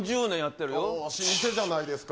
老舗じゃないですか。